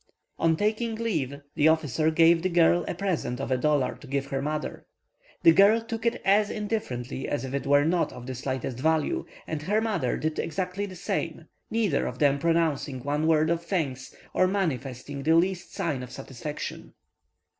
On taking leave, the officer gave the girl a present of a dollar to give her mother; the girl took it as indifferently as if it were not of the slightest value, and her mother did exactly the same, neither of them pronouncing one word of thanks, or manifesting the least sign of satisfaction.